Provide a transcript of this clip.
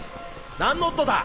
何ノットだ？